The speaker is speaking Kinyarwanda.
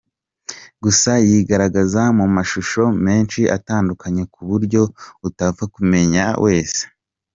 Gusa yigaragaza mu mashusho menshi atandukanye ku buryo utapfa kumumenya wese.